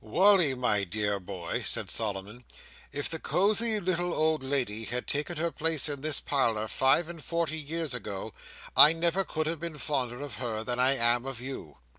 "Wally, my dear boy," said Solomon, "if the cosy little old lady had taken her place in this parlour five and forty years ago, I never could have been fonder of her than I am of you."